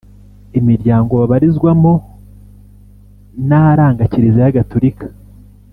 imiryango babarizwamo n’aranga kiliziya Gaturika